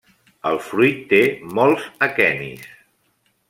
El fruit té molts aquenis.